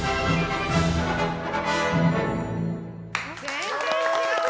全然違う。